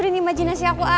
pasti sekeren hasil fotonya